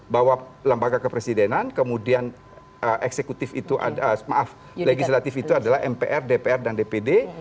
bahwa lembaga kepresidenan kemudian eksekutif itu maaf legislatif itu adalah mpr dpr dan dpd